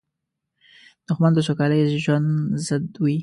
دښمن د سوکاله ژوند ضد وي